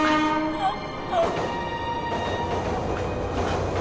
あっ。